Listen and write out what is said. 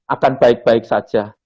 akan baik baik saja